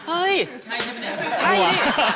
เฮ้ยใช่มั้ย